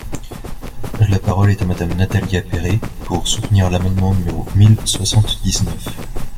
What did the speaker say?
La parole est à Madame Nathalie Appéré, pour soutenir l’amendement numéro mille soixante-dix-neuf.